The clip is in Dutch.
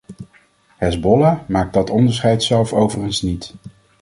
Hezbollah maakt dat onderscheid zelf overigens niet.